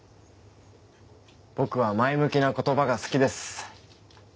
僕は前向きな言葉が好きです。